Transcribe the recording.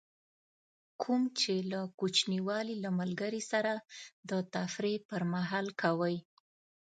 کوم چې له کوچنیوالي له ملګري سره د تفریح پر مهال کوئ.